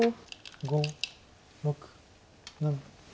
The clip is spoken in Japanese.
５６７。